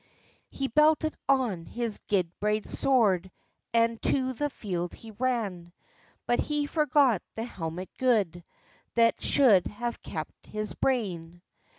He belted on his guid braid sword, And to the field he ran; But he forgot the helmet good, That should have kept his brain.